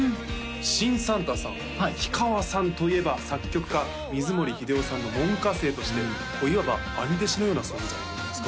シン・サンタさん氷川さんといえば作曲家水森英夫さんの門下生としていわば兄弟子のような存在じゃないですか？